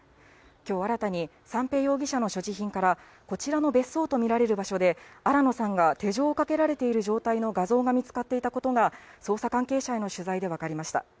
きょう新たに三瓶容疑者の所持品から、こちらの別荘と見られる場所で、新野さんが手錠をかけられている状態の画像が見つかっていたことが、捜査関係者への取材で分かりました。